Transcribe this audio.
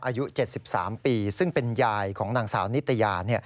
อายุ๗๓ปีซึ่งเป็นยายของนางสาวนิตยา